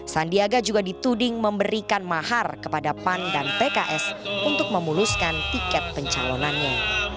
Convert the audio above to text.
sandiaga juga dituding memberikan mahar kepada pan dan pks untuk memuluskan tiket pencalonannya